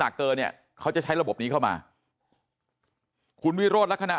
เกินเนี่ยเขาจะใช้ระบบนี้เข้ามาคุณวิโรธลักษณะ